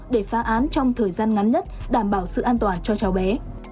để phá án trong thời gian ngắn nhất đảm bảo sự an toàn cho cháu bé